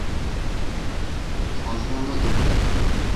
ХАЗИНАНЫ ЭҘЛӘҮ.